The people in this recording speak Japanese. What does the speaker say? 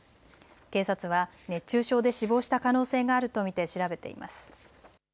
警察は熱中症で死亡した可能性があると見て調べています。